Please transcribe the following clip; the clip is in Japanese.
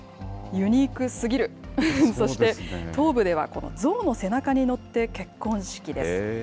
ユニークすぎる、そして東部では、この象の背中に乗って結婚式です。